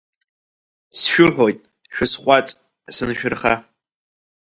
Сшәыҳәоит, шәысҟәаҵ, сыншәырха.